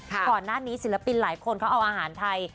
ก่อนหน้านี้ศิลปินหลายคนเขาเอาอาหารไทย